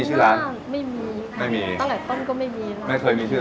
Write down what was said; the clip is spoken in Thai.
ชื่อร้านมาจากไหนครับ๓พี่น้อง